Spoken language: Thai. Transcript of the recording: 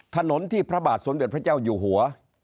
ถนนที่พระบาทสมเด็จพระเจ้าอยู่หัว